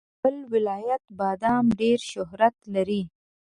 د زابل ولایت بادم ډېر شهرت لري.